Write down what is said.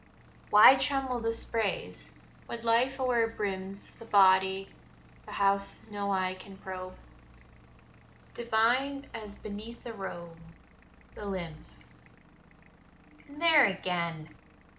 Why tremble the sprays? What life o'erbrims 10 The body, the house no eye can probe, Divined, as beneath a robe, the limbs? And there again!